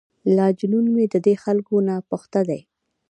لا جنون مې ددې خلکو ناپخته دی.